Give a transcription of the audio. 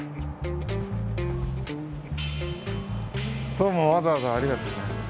どうもわざわざありがとうございます。